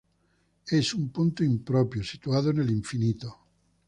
Es un punto impropio, situado en el infinito.